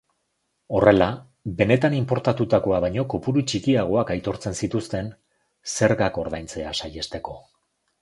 Horrela, benetan inportatutakoa baino kopuru txikiagoak aitortzen zituzten zergak ordaintzea saihesteko.